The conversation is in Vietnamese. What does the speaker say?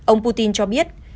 ông putin cho biết